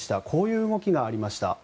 こういう動きがありました。